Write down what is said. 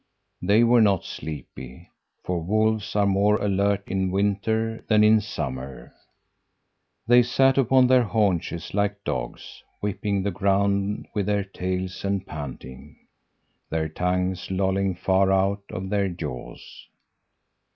They were not sleepy, for wolves are more alert in winter than in summer. They sat upon their haunches, like dogs, whipping the ground with their tails and panting their tongues lolling far out of their jaws.